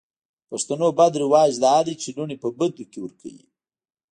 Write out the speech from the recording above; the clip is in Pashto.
د پښتو بد رواج دا ده چې لوڼې په بدو کې ور کوي.